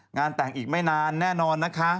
งานแต่งอีกไม่นานแน่นอนนะคะ